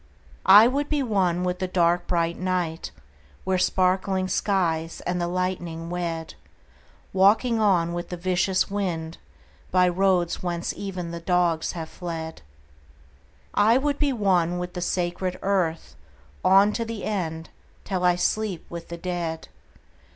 I would be one with the dark bright night When sparkling skies and the lightning wed— Walking on with the vicious wind By roads whence even the dogs have fled. I would be one with the sacred earth On to the end, till I sleep with the dead.